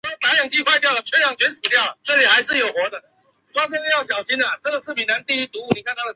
新翼的管理及营运是由万达镇有限公司负责。